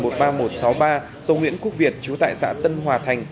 trong huyện quốc việt trú tại xã tân hòa thành